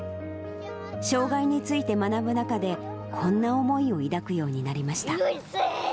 障がいについて学ぶ中で、こんな思いを抱くようになりました。